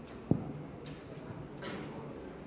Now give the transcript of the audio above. terlihat dari luar